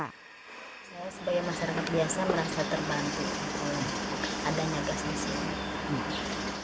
saya sebagai masyarakat biasa merasa terbantu adanya gas di sini